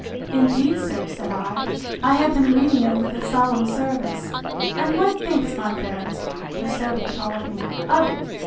Indeed, sir, said I, I have been reading over the solemn service.—And what thinks my fairest (for so he called me) of it?